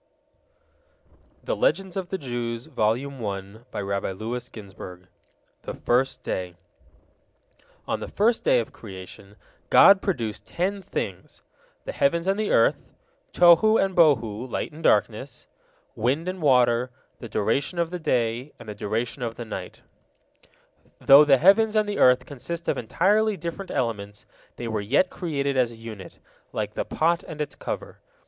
THE FIRST DAY On the first day of creation God produced ten things: the heavens and the earth, Tohu and Bohu, light and darkness, wind and water, the duration of the day and the duration of the night. Though the heavens and the earth consist of entirely different elements, they were yet created as a unit, "like the pot and its cover."